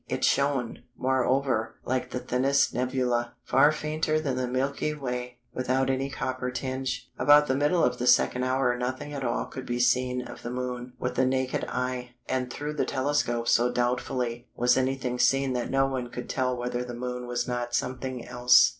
It shone, moreover, like the thinnest nebula, far fainter than the Milky Way, without any copper tinge. About the middle of the second hour nothing at all could be seen of the Moon with the naked eye, and through the telescope so doubtfully was anything seen that no one could tell whether the Moon was not something else."